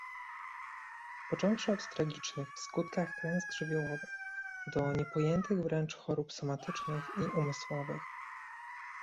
Począwszy od tragicznych w skutkach klęsk żywiołowych do niepojętych wręcz chorób somatycznych i umysłowych